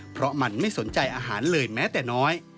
เพราะมันไม่สนใจอาหารเลยแม้แต่น้อย